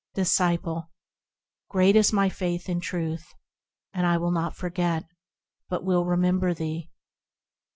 Disciple. Great is my faith in Truth ; And I will not forget, but will remember thee.